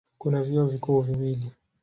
Kuna vyuo vikuu viwili.